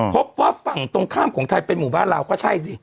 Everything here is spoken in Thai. พบว่าฝั่งตรงข้ามของไทยเป็นหมู่บ้านเราก็ใช่สิ